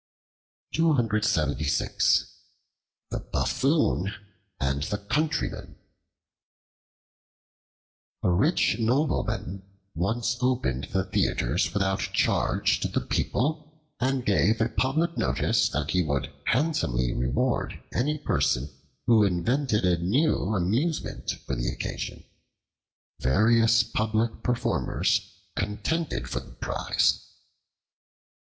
The Buffoon and the Countryman A RICH NOBLEMAN once opened the theaters without charge to the people, and gave a public notice that he would handsomely reward any person who invented a new amusement for the occasion. Various public performers contended for the prize.